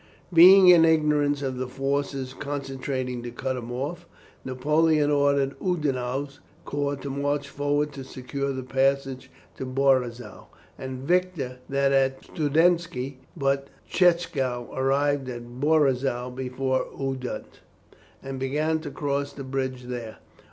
Being in ignorance of the forces concentrating to cut him off, Napoleon ordered Oudinot's corps to march forward to secure the passage at Borizow, and Victor that at Studenski, but Tchichagow arrived at Borizow before Oudinot, and began to cross the bridge there.